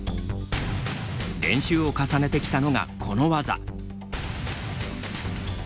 練習を重ねてきたのが、この技。